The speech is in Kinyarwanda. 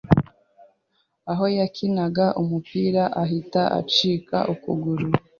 aho yakinaga umupira ahita acika ukuguru.